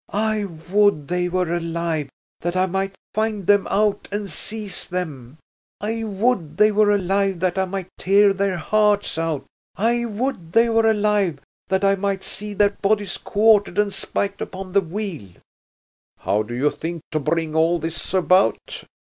"I would they were alive that I might find them out and seize them. I would they were alive that I might tear their hearts out. I would they were alive that I might see their bodies quartered and spiked upon the wheel." "How do you think to bring all this about?"